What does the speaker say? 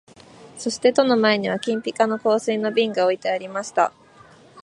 そして戸の前には金ピカの香水の瓶が置いてありました